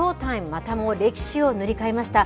またも歴史を塗り替えました。